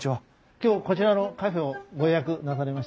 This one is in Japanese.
今日こちらのカフェをご予約なされました？